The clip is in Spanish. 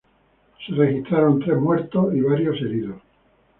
Se registraron tres muertos y varios heridos.